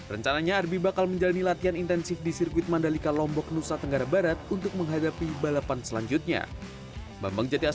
rencananya arbi bakal menjalani latihan intensif di sirkuit mandalika lombok nusa tenggara barat untuk menghadapi balapan selanjutnya